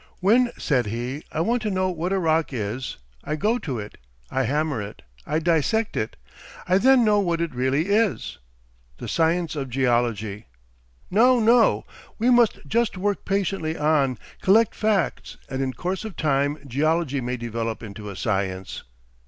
"When," said he, "I want to know what a rock is, I go to it; I hammer it; I dissect it. I then know what it really is.... The science of geology! No, no; we must just work patiently on, collect facts, and in course of time geology may develop into a science."